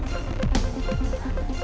apak pun buurin wb'snya